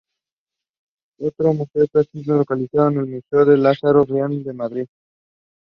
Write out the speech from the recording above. Otro cuadro de este tipo se localiza en el Museo Lázaro Galdiano de Madrid.